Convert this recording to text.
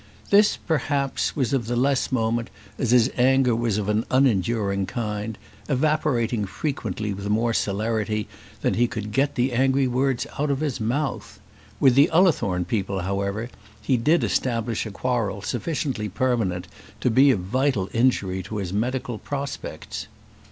This, perhaps, was of the less moment as his anger was of an unenduring kind, evaporating frequently with more celerity than he could get the angry words out of his mouth. With the Ullathorne people, however, he did establish a quarrel sufficiently permanent to be of vital injury to his medical prospects.